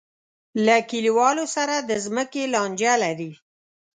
له کلیوالو سره د ځمکې لانجه لري.